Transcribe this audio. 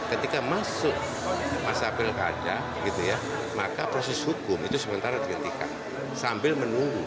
ketika masuk masa pilkada gitu ya maka proses hukum itu sementara dihentikan sambil menunggu